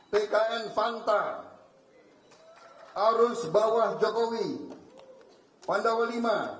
tkn vanta arus bawah jokowi pandawa v